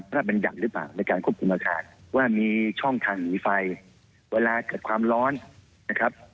บรรยัติหรือเปล่าในการควบคุมอาคารว่ามีช่องทางหนีไฟเวลาเกิดความร้อนนะครับ